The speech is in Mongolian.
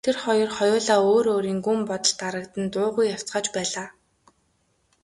Тэр хоёр хоёулаа өөр өөрийн гүн бодолд дарагдан дуугүй явцгааж байлаа.